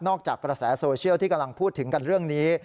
จากกระแสโซเชียลที่กำลังพูดถึงกันเรื่องนี้